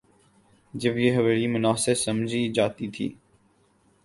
جب یہ حویلی مناسب سمجھی جاتی تھی۔